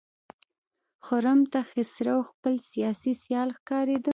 خرم ته خسرو خپل سیاسي سیال ښکارېده.